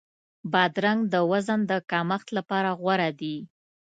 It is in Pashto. بادرنګ د وزن د کمښت لپاره غوره دی.